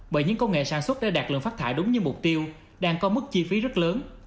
bởi những công nghệ sản xuất đã đạt lượng phát thải đúng như mục tiêu đang có mức chi phí rất lớn